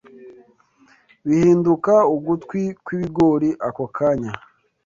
bihinduka ugutwi kwibigori ako kanya